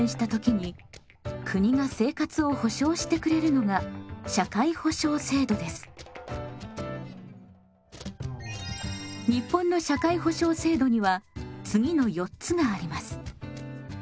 人が生活を営む中で日本の社会保障制度には次の４つがあります。